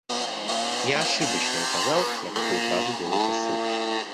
Я ошибочно указал, на какую фразу делается ссылка.